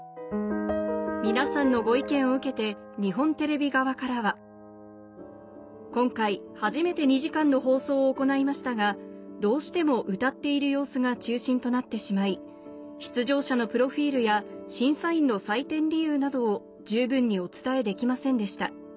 皆さんのご意見を受けて日本テレビ側からは「今回初めて２時間の放送を行いましたがどうしても歌っている様子が中心となってしまい出場者のプロフィルや審査員の採点理由などを十分にお伝えできませんでした」